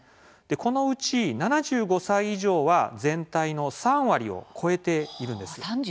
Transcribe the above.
このうち、７５歳以上は全体の３割を超えているんです。